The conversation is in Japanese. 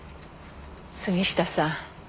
杉下さん。